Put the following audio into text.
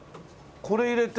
これ入れて。